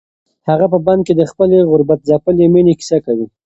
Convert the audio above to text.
هغه په بن کې د خپلې غربت ځپلې مېنې کیسه کوي.